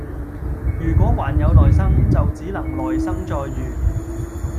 如果還有來生就只能來生再遇